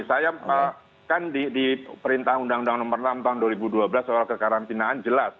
saya kan di perintah undang undang nomor enam tahun dua ribu dua belas soal kekarantinaan jelas